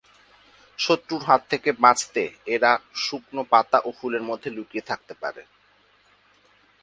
শত্রুর হাত থেকে বাঁচতে এরা শুকনো পাতা ও ফুলের মধ্যে লুকিয়ে থাকতে পারে।